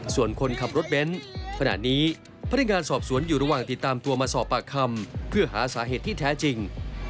ส่วนคนขับรถเบ้นขณะนี้พนักงานสอบสวนอยู่ระหว่างติดตามตัวมาสอบปากคำเพื่อหาสาเหตุที่แท้จริง